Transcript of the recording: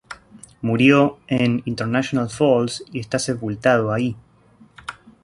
Murió en International Falls y está sepultado ahí.